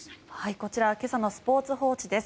こちら今朝のスポーツ報知です。